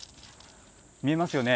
見えますよね。